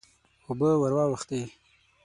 اوبه ور واوښتې.